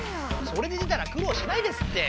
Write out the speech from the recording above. それで出たらくろうしないですって。